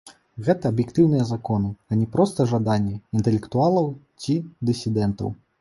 Гэта аб'ектыўныя законы, а не проста жаданне інтэлектуалаў ці дысідэнтаў.